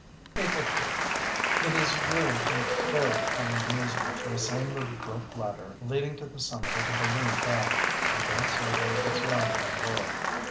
April 3.—It is really a very fine amusement to ascend the rope ladder leading to the summit of the balloon bag, and thence survey the surrounding world.